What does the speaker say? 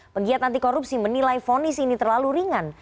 pegiat anti korupsi menilai fonis ini terlalu ringan